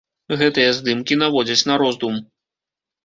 Гэтыя здымкі наводзяць на роздум.